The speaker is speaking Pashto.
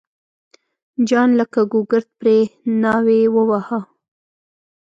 جان لکه ګوګرد پرې ناوی وواهه.